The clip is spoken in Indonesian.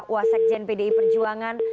uas jen pdi perjuangan